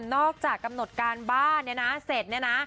นอกจากกำหนดการบ้านเนี่ยนะเสร็จเนี่ยนะ